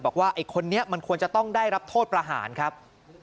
บอกว่าไอ้คนนี้มันควรจะต้องได้รับโทษประหารครับ